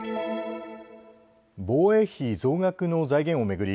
防衛費増額の財源を巡り